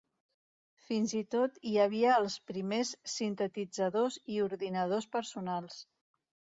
Fins i tot hi havia els primers sintetitzadors i ordinadors personals.